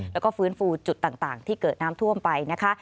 แล้วก็ฟื้นฟูจุดต่างที่เกิดน้ำท่วมไปนะคะ